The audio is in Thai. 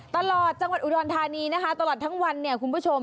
ตลอดจังหวัดอุดรธานีนะคะตลอดทั้งวันเนี่ยคุณผู้ชม